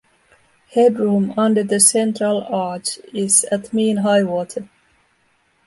Headroom under the central arch is at mean high water.